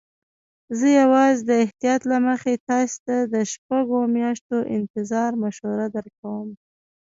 زه یوازې د احتیاط له مخې تاسي ته د شپږو میاشتو انتظار مشوره درکوم.